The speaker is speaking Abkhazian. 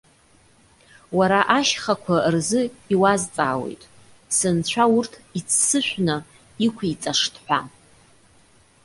Уара ашьхақәа рзы иуазҵаауеит. Сынцәа урҭ иццышәны иқәиҵашт ҳәа.